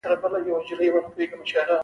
تنور د خوږو ډوډیو لپاره هم کارېږي